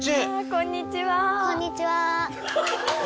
こんにちは。